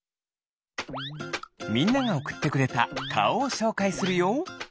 みんながおくってくれたかおをしょうかいするよ。